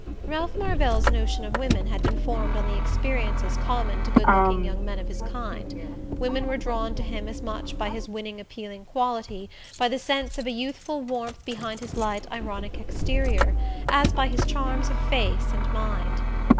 Ralph Marvell's notion of women had been formed on the experiences common to good looking young men of his kind. Women were drawn to him as much by his winning appealing quality, by the sense of a youthful warmth behind his light ironic exterior, as by his charms of face and mind.